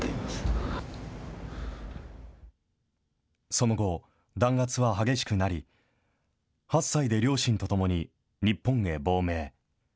その後、弾圧は激しくなり、８歳で両親と共に日本へ亡命。